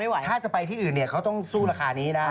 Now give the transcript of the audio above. ถ้าจะไปที่อื่นเนี่ยเขาต้องสู้ราคานี้นะ